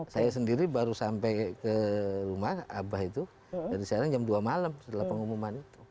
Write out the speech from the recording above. saya sendiri baru sampai ke rumah abah itu dari sekarang jam dua malam setelah pengumuman itu